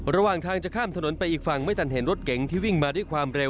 ระหว่างทางจะข้ามถนนไปอีกฝั่งไม่ทันเห็นรถเก๋งที่วิ่งมาด้วยความเร็ว